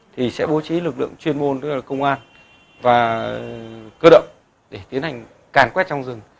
thì sẽ bố trí lực lượng chuyên môn tức là công an và cơ động để tiến hành càn quét trong rừng